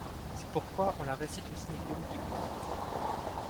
C'est pourquoi on la récite aussi à Yom Kippour.